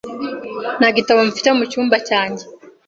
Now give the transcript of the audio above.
Nta gitabo mfite mu cyumba cyanjye.